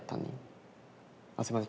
あすいません。